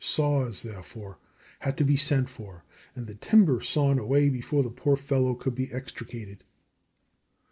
Saws, therefore, had to be sent for, and the timber sawn away before the poor fellow could be extricated.